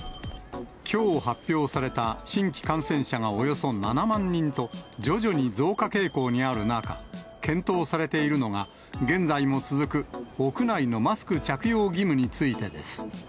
きょう発表された新規感染者がおよそ７万人と、徐々に増加傾向にある中、検討されているのが、現在も続く、屋内のマスク着用義務についてです。